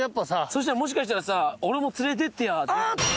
そしたらもしかしたらさ「俺も連れてってや」って。